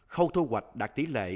khâu thu hoạch đạt tỷ lệ